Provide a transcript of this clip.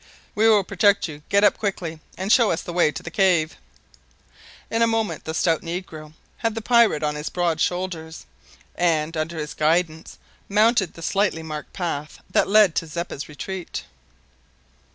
"We will protect you. Get up quickly, and show us the way to the cave." In a moment the stout negro had the pirate on his broad shoulders, and, under his guidance, mounted the slightly marked path that led to Zeppa's retreat.